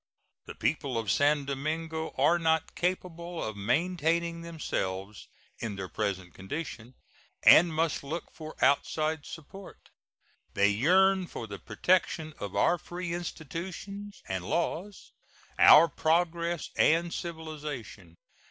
The people of San Domingo are not capable of maintaining themselves in their present condition, and must look for outside support. They yearn for the protection of our free institutions and laws, our progress and civilization.